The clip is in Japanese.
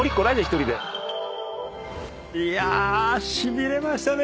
いやしびれましたね